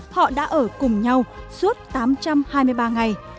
họ đã ở cùng nhau suốt tám trăm hai mươi ba ngày